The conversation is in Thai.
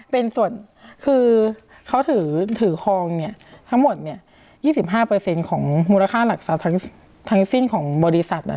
เป็นส่วนคือเขาถือคลองเนี่ยทั้งหมด๒๕ของมูลค่าหลักทรัพย์ทั้งสิ้นของบริษัท